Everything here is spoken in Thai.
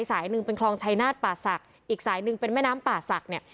สายหนึ่งเป็นคลองชายนาฏป่าศักดิ์อีกสายหนึ่งเป็นแม่น้ำป่าศักดิ์เนี่ย